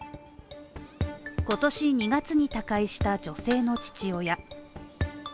今年２月に他界した、女性の父親。